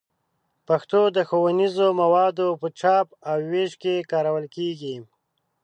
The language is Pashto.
پښتو د ښوونیزو موادو په چاپ او ویش کې کارول کېږي.